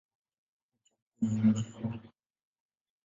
Machafuko ya mji huu.